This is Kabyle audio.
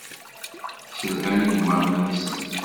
Sselhan igmaḍ-nsen.